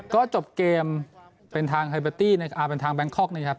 ก็จบเกมเป็นทางไฮเบอร์ตี้นะครับเป็นทางแบงคอกนะครับ